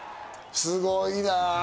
すごいな！